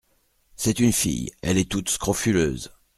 C'est une fille, elle est toute scrofuleuse.